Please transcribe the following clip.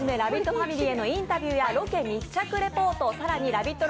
ファミリーへのインタビューやロケ密着レポートＬＯＶＥＩＴ！